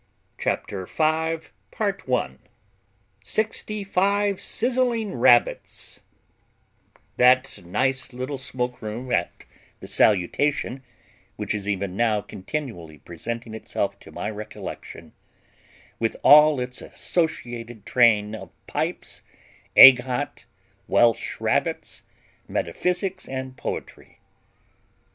Chapter Five Sixty five Sizzling Rabbits That nice little smoky room at the "Salutation," which is even now continually presenting itself to my recollection, with all its associated train of pipes, egg hot, welsh rabbits, metaphysics and poetry.